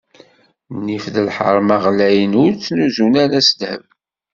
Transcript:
Nnif d lḥerma ɣlayen, ur ttnuzzun ara s ddheb.